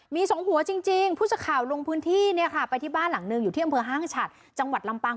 มีสองหัวจริงผู้สื่อข่าวลงพื้นที่ไปที่บ้านหลังหนึ่งอยู่ที่อำเภอห้างฉัดจังหวัดลำปาง